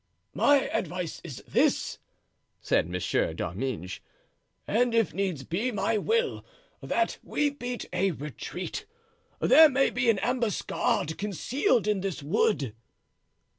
"My advice is this," said Monsieur d'Arminges, "and if needs be, my will, that we beat a retreat. There may be an ambuscade concealed in this wood."